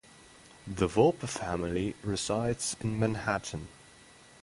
The Volpe family resides in Manhattan.